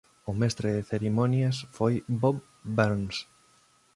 O mestre de cerimonias foi Bob Burns.